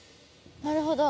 なるほど。